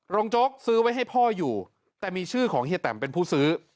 โจ๊กซื้อไว้ให้พ่ออยู่แต่มีชื่อของเฮียแตมเป็นผู้ซื้อ